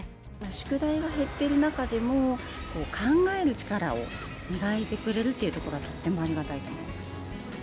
宿題が減っている中でも、考える力を磨いてくれるというところはとってもありがたいと思います。